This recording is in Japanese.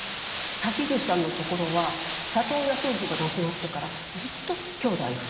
滝口さんのところは里親夫婦が亡くなってからずっと兄妹２人で。